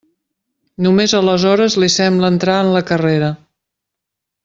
Només aleshores li sembla entrar en la carrera.